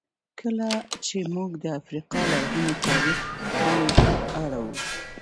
کله چې موږ د افریقا لرغوني تاریخ پاڼې اړوو.